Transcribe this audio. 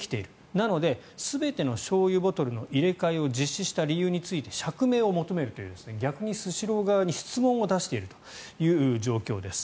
なので、全てのしょうゆボトルの入れ替えを実施した理由について釈明を求めるという逆にスシロー側に質問を出しているという状況です。